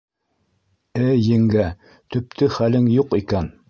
— Эй, еңгә, төптө хәлең юҡ икән.